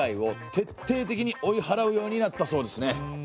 徹底的に追い払うようになったそうですね。